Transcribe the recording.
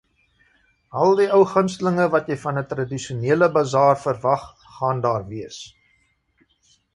Al die ou gunstelinge wat jy van 'n tradisionele basaar verwag, gaan daar wees